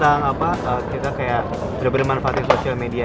mungkin lebih ceritain tentang apa kita kayak sudah bermanfaat dengan sosial media